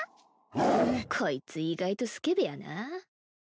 こいつ意外とスケベやな